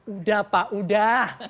udah pak udah